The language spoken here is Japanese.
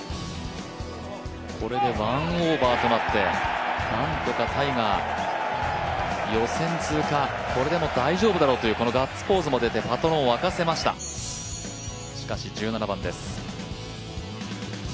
これで１オーバーとなってなんとかタイガー予選通過、これでもう大丈夫だろうというガッツポーズも出てパトロンを沸かせましたしかし、１７番です。